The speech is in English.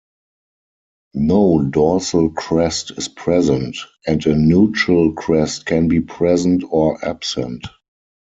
No dorsal crest is present; and a nuchal crest can be present or absent.